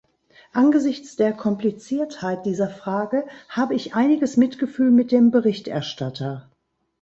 Angesichts der Kompliziertheit dieser Frage habe ich einiges Mitgefühl mit dem Berichterstatter.